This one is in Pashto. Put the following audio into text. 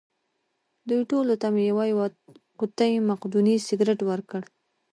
دوی ټولو ته مې یوه یوه قوطۍ مقدوني سګرېټ ورکړل.